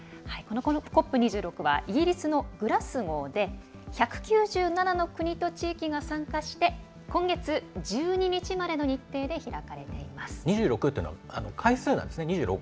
ＣＯＰ２６はイギリスのグラスゴーで１９７の国と地域が参加して今月１２日までの日程で開かれています。